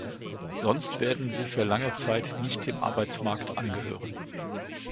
Sonst werden sie für lange Zeit nicht dem Arbeitsmarkt angehören.